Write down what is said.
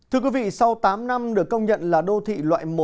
thưa quý vị sau tám năm được công nhận là đô thị loại một